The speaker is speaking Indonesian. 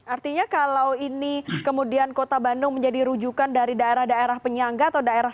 artinya kalau ini kemudian kota bandung menjadi rujukan dari daerah daerah penyangga atau daerah